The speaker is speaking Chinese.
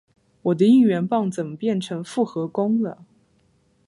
我的应援棒怎么变成复合弓了？